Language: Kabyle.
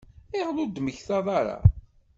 Ayɣer ur d-temmektaḍ ara?